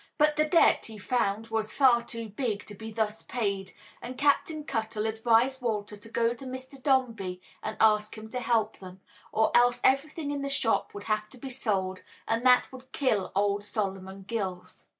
But the debt, he found, was far too big to be thus paid, and Captain Cuttle advised Walter to go to Mr. Dombey and ask him to help them, or else everything in the shop would have to be sold, and that would kill old Solomon Gills.